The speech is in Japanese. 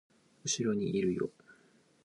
後ろにいるよ